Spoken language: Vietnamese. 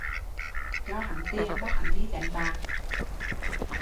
Cho hắn tiền, bơ hắn đi đánh bạc!